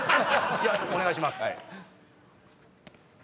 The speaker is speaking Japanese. お願いします。